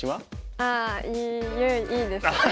ああいいです。